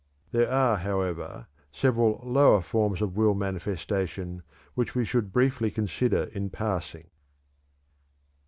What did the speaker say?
There are, however, several lower forms of will manifestation which we should briefly consider in passing.